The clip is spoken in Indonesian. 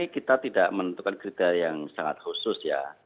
kita tidak menentukan kriteria yang sangat khusus ya